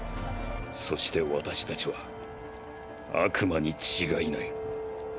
そして私たちは悪魔に違いない。